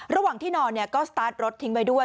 ระหว่างที่นอนก็สตาร์ทรถทิ้งไว้ด้วย